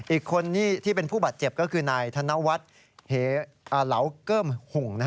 อีกคนที่เป็นผู้บาดเจ็บก็คือนายธนวัฒน์เหลาเกิ้มหุ่ง